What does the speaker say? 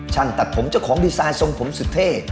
ตัดผมเจ้าของดีไซน์ทรงผมสุดเท่